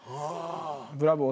ブラボー！